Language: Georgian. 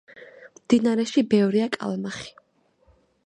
მდინარეებში ბევრია კალმახი.